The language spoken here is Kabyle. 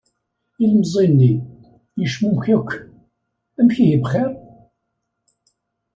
Ilemẓi-nni, yecmumek yakk: "Amek ihi bxir?".